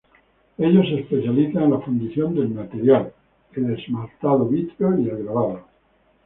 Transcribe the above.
Ellos se especializan en la fundición del material, el esmaltado vítreo, y el grabado.